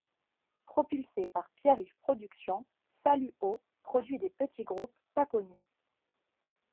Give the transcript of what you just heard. Propulsée par Pierre-Yves production, Salut Ô produit des petits groupes pas connus.